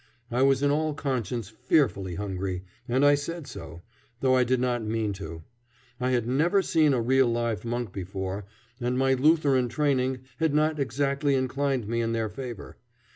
I was in all conscience fearfully hungry, and I said so, though I did not mean to. I had never seen a real live monk before, and my Lutheran training had not exactly inclined me in their favor.